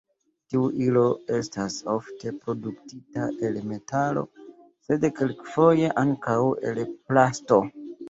Tiu ilo estas ofte produktita el metalo, sed kelkfoje ankaŭ el plasto.